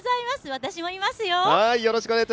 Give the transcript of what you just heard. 私もいますよ。